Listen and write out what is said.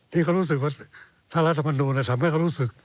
ที่เขารู้สึกว่าถ้ารัฐมนูลทำให้เขารู้สึก